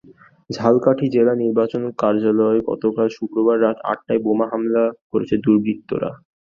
ঝালকাঠি জেলা নির্বাচন কার্যালয়ে গতকাল শুক্রবার রাত আটটায় বোমা হামলা করেছে দুর্বৃত্তরা।